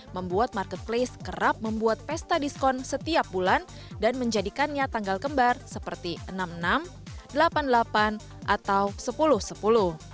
membuat marketplace kerap membuat pesta diskon setiap bulan dan menjadikannya tanggal kembar seperti enam puluh enam delapan puluh delapan atau sepuluh sepuluh